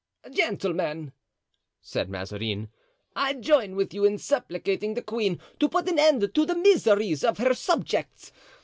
"Gentlemen," said Mazarin, "I join with you in supplicating the queen to put an end to the miseries of her subjects.